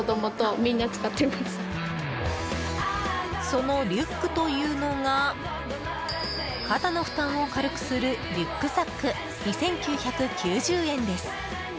そのリュックというのが肩の負担を軽くするリュックサック、２９９０円です。